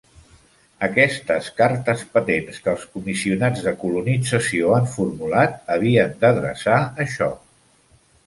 Aquestes "cartes patents" que els "comissionats de colonització" han formulat havien d'adreçar això.